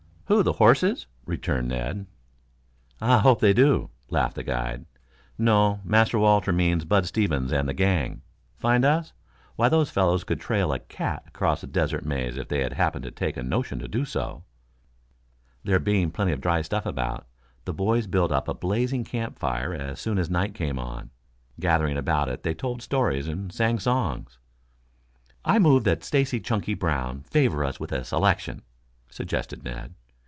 "Who, the horses?" returned Ned. "I hope they do," laughed the guide. "No; Master Walter means Bud Stevens and the gang. Find us? Why, those fellows could trail a cat across the Desert Maze if they happened to take a notion to do so." There being plenty of dry stuff about, the boys built up a blazing camp fire as soon as night came on. Gathering about it they told stories and sang songs. "I move that Stacy Chunky Brown favor us with a selection," suggested Ned.